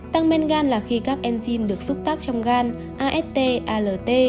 tăng men gan là khi các enzym được xúc tác trong gan ast alt